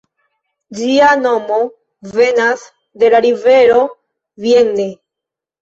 Ĝia nomo venas de la rivero Vienne.